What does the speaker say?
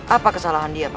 apa kesalahan dia papa